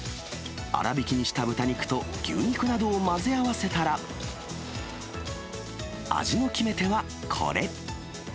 粗びきにした豚肉と牛肉などを混ぜ合わせたら、味の決め手はこれ。